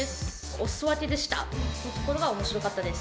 「お裾分けでした」のところが面白かったです。